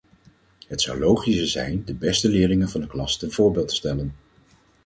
Het zou logischer zijn de beste leerling van de klas ten voorbeeld te stellen.